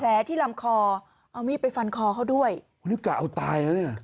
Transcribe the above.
ที่ลำคอเอามีดไปฟันคอเขาด้วยนี่กะเอาตายแล้วเนี่ย